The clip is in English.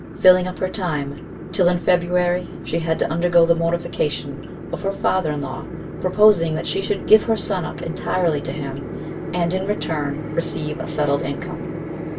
filling up her time, till in February she had to undergo the mortification of her father in law proposing that she should give her son up entirely to him, and in return receive a settled income.